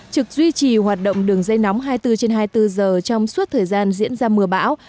trực duy trì hoạt động đường dây nóng hai mươi bốn trên hai mươi bốn giờ trong suốt thời gian diễn ra mưa bão